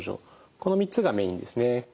この３つがメインですね。